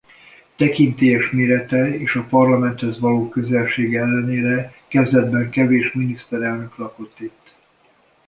Tekintélyes mérete és a parlamenthez való közelsége ellenére kezdetben kevés miniszterelnök lakott itt.